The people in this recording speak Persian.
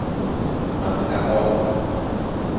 مهلقا